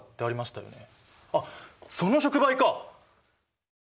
あっその触媒か！